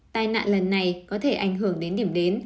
tai nạn lần này có thể ảnh hưởng đến điểm đến